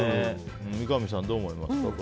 三上さんどう思いました？